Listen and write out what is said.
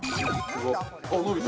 ◆あっ、伸びた。